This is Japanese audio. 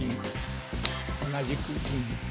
同じく銀。